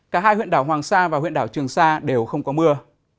cả hai huyện đảo hoàng sa và huyện đảo trường sa đều không có mưa